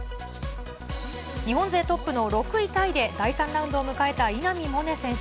日本勢トップの６位タイで第３ラウンドを迎えた稲見萌寧選手。